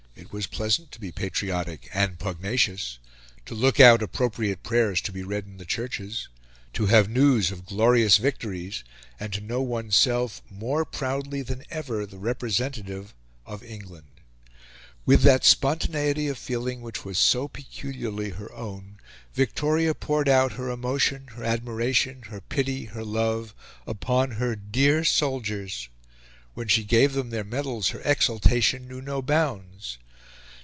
It was pleasant to be patriotic and pugnacious, to look out appropriate prayers to be read in the churches, to have news of glorious victories, and to know oneself, more proudly than ever, the representative of England. With that spontaneity of feeling which was so peculiarly her own, Victoria poured out her emotion, her admiration, her pity, her love, upon her "dear soldiers." When she gave them their medals her exultation knew no bounds.